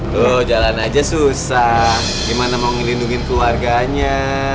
tuh jalan aja susah gimana mau ngelindungi keluarganya